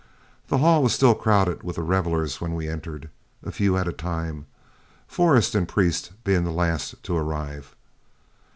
The hall was still crowded with the revelers when we entered, a few at a time, Forrest and Priest being the last to arrive.